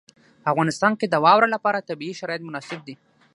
په افغانستان کې د واوره لپاره طبیعي شرایط مناسب دي.